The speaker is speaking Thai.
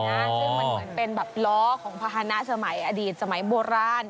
ซึ่งมันเหมือนเป็นแบบล้อของภาษณะสมัยอดีตสมัยโบราณ